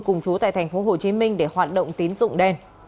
cùng chú tại tp hcm để hoạt động tín dụng đen